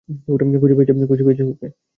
খুঁজে পেয়েছি একে!